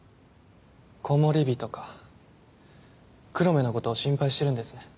コモリビトか黒目のことを心配してるんですね